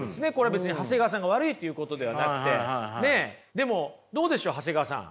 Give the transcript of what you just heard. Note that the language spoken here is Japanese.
でもどうでしょう長谷川さん。